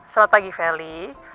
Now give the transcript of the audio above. selamat pagi feli